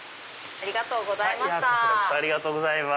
ありがとうございます。